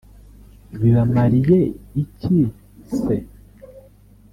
bibamariye iki se